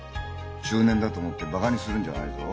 中年だと思ってバカにするんじゃないぞ。